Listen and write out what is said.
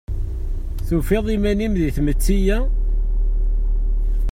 Tufiḍ iman-im di tmetti-a?